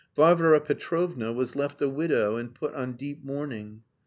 Varvara Petrovna was left a widow and put on deep mourning.